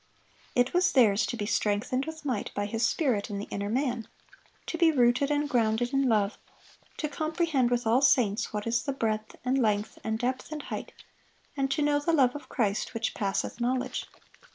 It was theirs "to be strengthened with might by His Spirit in the inner man," to be "rooted and grounded in love," to "comprehend with all saints what is the breadth, and length, and depth, and height; and to know the love of Christ, which passeth knowledge."